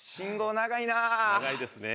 長いですね。